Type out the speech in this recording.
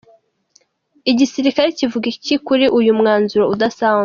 Igirikare kivuga iki kuri uyu mwanzuro udasanzwe?.